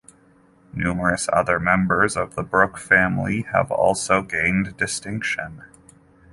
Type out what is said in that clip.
Numerous other members of the Brooke family have also gained distinction.